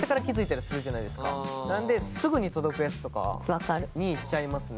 なんですぐに届くやつとかにしちゃいますね。